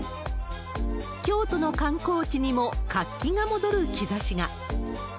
京都の観光地にも活気が戻る兆しが。